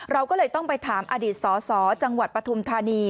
เราก็เลยต้องไปถามอดีตสสจังหวัดปฐุมธานี